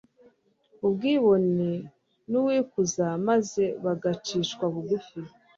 umwibone n'uwikuza maze bagacishwa bugufi